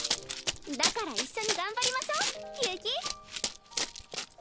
だから一緒に頑張りましょう悠希！